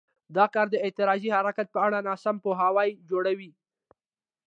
دا کار د اعتراضي حرکت په اړه ناسم پوهاوی جوړوي.